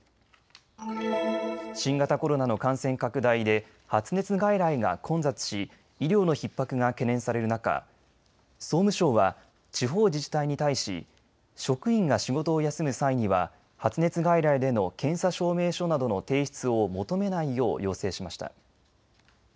新型コロナの感染拡大で発熱外来が混雑し医療のひっ迫が懸念される中、総務省は地方自治体に対し職員が仕事を休む際には発熱外来での検査証明書などの提出を求めないよう要請しました。